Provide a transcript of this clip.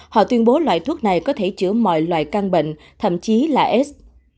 họ tuyên bố loại thuốc này có thể chữa mọi loại căng bệnh thậm chí là aids